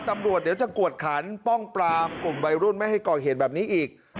ตำรวจเดี๋ยวจะกวดขันป้องปรามกลุ่มวัยรุ่นไม่ให้ก่อเหตุแบบนี้อีก